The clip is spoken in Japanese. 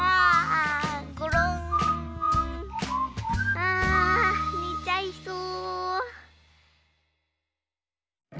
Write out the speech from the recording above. あねちゃいそう。